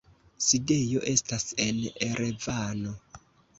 Sidejo estas en Erevano.